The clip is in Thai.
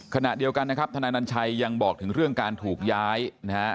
ขณะเดียวกันนะครับทนายนัญชัยยังบอกถึงเรื่องการถูกย้ายนะฮะ